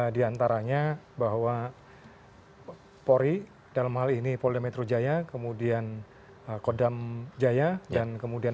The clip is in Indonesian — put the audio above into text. di antaranya bahwa polri dalam hal ini polda metro jaya kemudian kodam jaya dan kemudian